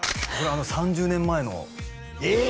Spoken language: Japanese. ３０年前のえっ！？